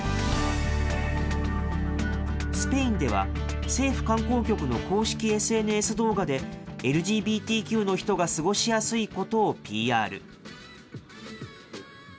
スペインでは政府観光局の公式ＳＮＳ動画で、ＬＧＢＴＱの人が過ごしやすいことをＰＲ。